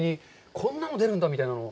こんなの出るんだみたいなのは。